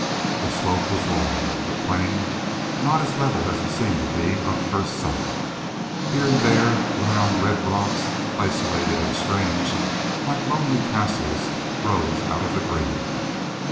The slope was long; the plain not as level as it seemed to be on first sight; here and there round, red rocks, isolated and strange, like lonely castles, rose out of the green.